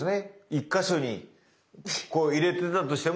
一か所にこう入れてたとしても。